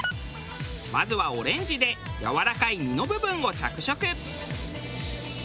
まずはオレンジでやわらかい身の部分を着色。